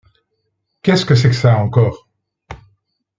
Qu’est-ce que c’est que ça, encore ?